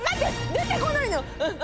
出てこないの。